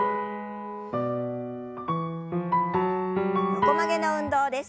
横曲げの運動です。